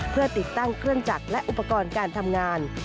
เพื่อติดตั้งเครื่องจักรและอุปกรณ์การทำงาน